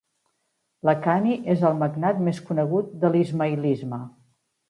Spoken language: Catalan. Lakhani és el magnat més conegut de l'ismaïlisme.